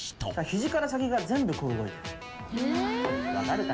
「肘から先が全部動いてる。